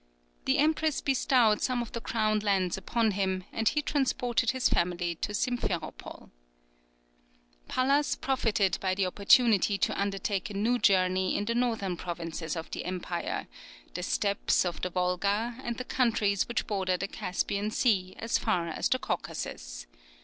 The empress bestowed some of the crown lands upon him, and he transported his family to Simpheropol. Pallas profited by the opportunity to undertake a new journey in the northern provinces of the empire, the Steppes of the Volga, and the countries which border the Caspian Sea as far as the Caucasus.